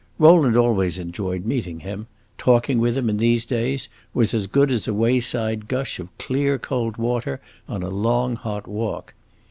Rowland always enjoyed meeting him; talking with him, in these days, was as good as a wayside gush of clear, cold water, on a long, hot walk.